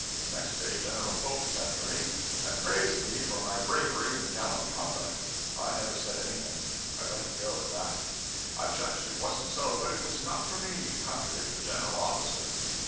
Next day General Polk sent for me, and praised me for my bravery and gallant conduct. I never said anything, I let it go at that. I judged it wasn't so, but it was not for me to contradict a general officer.